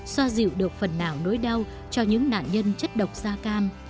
xoa dịu được phần nào nỗi đau cho những nạn nhân chất độc da cam